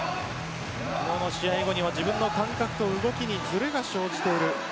昨日の試合後には自分の感覚と動きにズレが生じている。